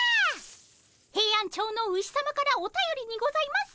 ヘイアンチョウのウシさまからおたよりにございます。